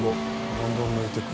どんどん抜いていく。